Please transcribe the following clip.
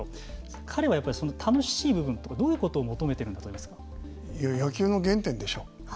彼はその楽しい部分とかどういうことを求めていると野球の原点でしょう。